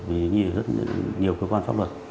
vì nhiều cơ quan pháp luật